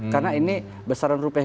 karena ini besaran rupiah